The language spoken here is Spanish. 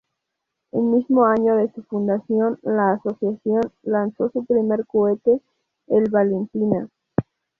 El mismo año de su fundación, la asociación lanzó su primer cohete, el Valentina.